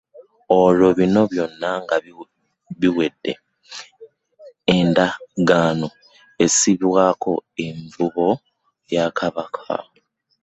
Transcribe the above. Olwo bino byonna nga biwedde, endagaano essibwako envumbo ya kabaka.